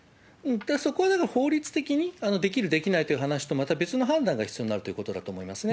そこは法律的に、できる、できないという話とまた別の判断が必要になるということだと思いますね。